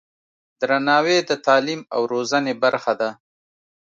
درناوی د تعلیم او روزنې برخه ده.